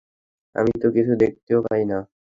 আমি তো কিছু দেখতেও পাই না।